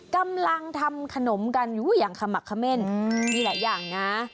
กำลังทำขนมกันอยู่อย่างขมักเขม่นมีหลายอย่างนะ